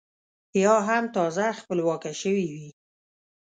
یا هم تازه خپلواکه شوې وي.